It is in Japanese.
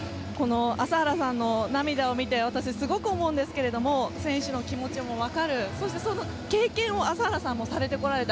朝原さんの涙を見て私すごく思うんですが選手の気持ちも分かるそしてその経験を朝原さんもされてこられた。